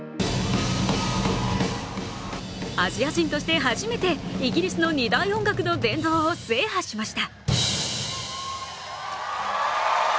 アジア人として初めてイギリスの２大音楽の殿堂を制覇しました。